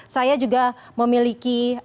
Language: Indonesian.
saya juga memiliki